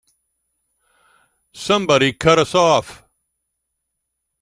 Somebody cut us off!